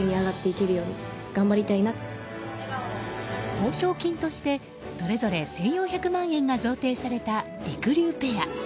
報奨金としてそれぞれ１４００万円が贈呈された、りくりゅうペア。